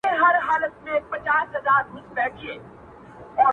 چي یې واورم درد مي هېر سي چي درد من یم.!